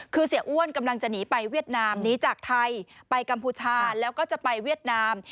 คือเสียอ้วนกำลังจะหนีไปเวียดนามหนีจากไทยไปกัมพูชาแล้วก็จะไปเวียดนาม